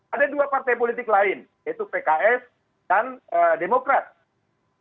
ada dua partai politik lain yang menyebutnya pdi perjuangan yang menyebutnya pdi perjuangan yang menyebutnya pdi perjuangan